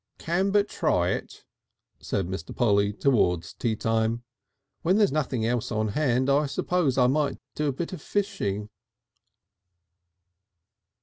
"Can but try it," said Mr. Polly towards tea time. "When there's nothing else on hand I suppose I might do a bit of fishing."